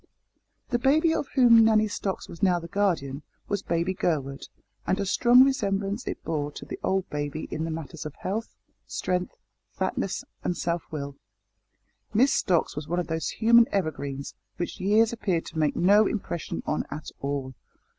The baby of whom Nanny Stocks was now the guardian was baby Gurwood, and a strong resemblance it bore to the old baby in the matters of health, strength, fatness, and self will. Miss Stocks was one of those human evergreens which years appear to make no impression on at all.